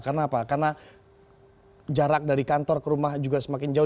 karena apa karena jarak dari kantor ke rumah juga semakin jauh